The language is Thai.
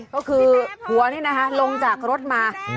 ก็คือผัวนี่นะคะลงจากรถมา